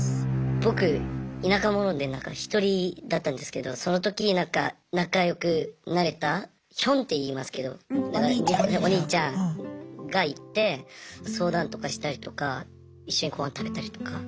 僕田舎者で１人だったんですけどその時仲良くなれたヒョンっていいますけどお兄ちゃんがいて相談とかしたりとか一緒に御飯食べたりとか。